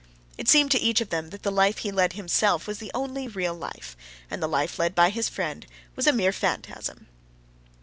It seemed to each of them that the life he led himself was the only real life, and the life led by his friend was a mere phantasm.